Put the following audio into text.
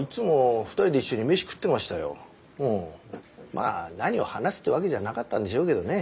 まあ何を話すってわけじゃなかったんでしょうけどね。